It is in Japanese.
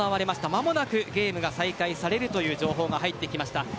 間もなくゲームが再開されるという情報が入ってきました。